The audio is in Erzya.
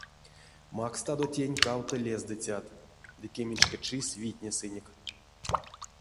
Макстадо тень кавто лездыцят — ды кеменьшка чис витнесынек.